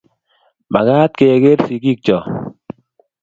Magaat keeger sigiikcho